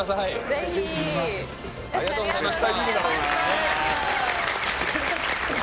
ぜひありがとうございました